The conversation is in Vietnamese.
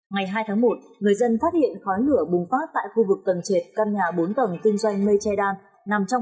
ngày hai tháng một người dân phát hiện khói lửa bùng phát tại khu vực tầng trệt căn nhà bốn tầng tinh doanh mây tre đan